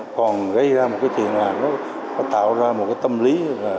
còn gây ra một cái chuyện là nó tạo ra một cái tâm lý